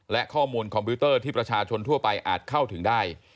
และข้อมูลคอมพิวเตอร์ที่ประชาชนทั่วไปอาจเข้าถึงได้